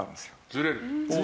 ずれる。